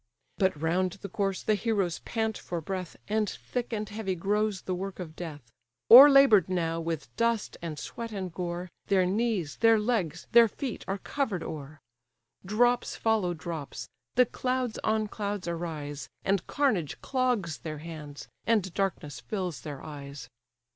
But round the corse the heroes pant for breath, And thick and heavy grows the work of death: O'erlabour'd now, with dust, and sweat, and gore, Their knees, their legs, their feet, are covered o'er; Drops follow drops, the clouds on clouds arise, And carnage clogs their hands, and darkness fills their eyes.